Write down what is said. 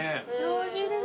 おいしいです。